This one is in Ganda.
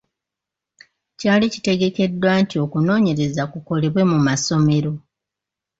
Kyali kitegekeddwa nti okunoonyereza kukolebwe mu masomero.